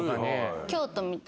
・京都みたい。